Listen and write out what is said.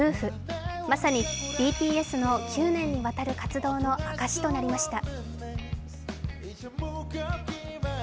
まさにＢＴＳの９年にわたる活動の証しとなりました。